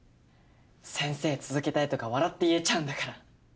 先生続けたいとか笑って言えちゃうんだから。